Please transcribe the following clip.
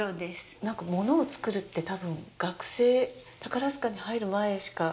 なんか、物を作るって、学生、宝塚に入る前しか。